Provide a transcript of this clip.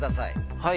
はい。